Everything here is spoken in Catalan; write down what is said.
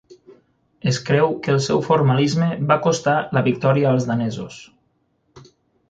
Es creu que el seu formalisme va costar la victòria als danesos.